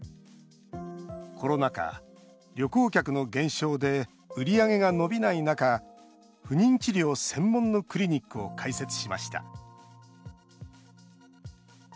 コロナ禍、旅行客の減少で売り上げが伸びない中不妊治療専門のクリニックを開設しました。